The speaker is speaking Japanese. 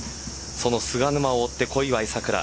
その菅沼を追って小祝さくら